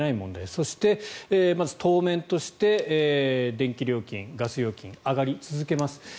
そしてまず当面として電気料金、ガス料金上がり続けます。